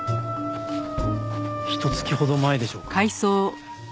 ひと月ほど前でしょうか。